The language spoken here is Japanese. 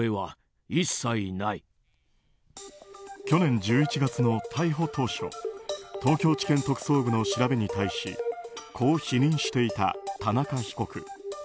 去年１１月の逮捕当初東京地検特捜部の調べに対しこう否認していた、田中被告。